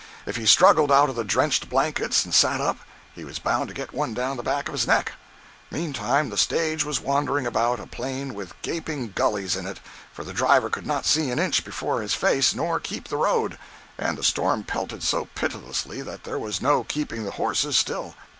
If he struggled out of the drenched blankets and sat up, he was bound to get one down the back of his neck. Meantime the stage was wandering about a plain with gaping gullies in it, for the driver could not see an inch before his face nor keep the road, and the storm pelted so pitilessly that there was no keeping the horses still.